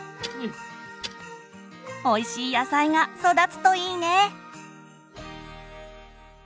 おいしい野菜が育つといいね！